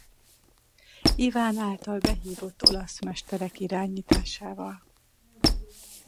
Iván által behívott olasz mesterek irányításával.